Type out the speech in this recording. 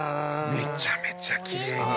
めちゃめちゃキレイに。